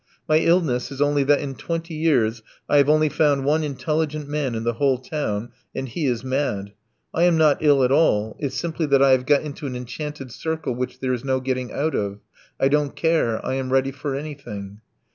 My illness is only that in twenty years I have only found one intelligent man in the whole town, and he is mad. I am not ill at all, it's simply that I have got into an enchanted circle which there is no getting out of. I don't care; I am ready for anything."